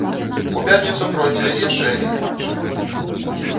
У пятніцу пройдзе яшчэ адзін матч.